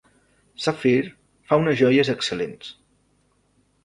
Sapphire fa unes joies excel·lents.